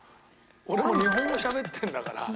俺も日本語しゃべってるんだから。